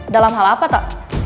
dalam hal apa to